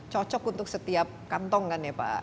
cocok untuk setiap kantong kan ya pak